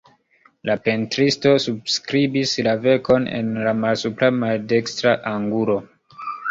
La pentristo subskribis la verkon en la malsupra maldekstra angulo.